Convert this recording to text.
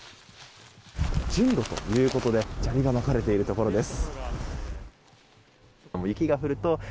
順路ということで砂利がまかれているところです。